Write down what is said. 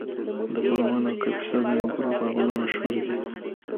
د پروان او کاپیسا د انګورو باغونه مشهور دي.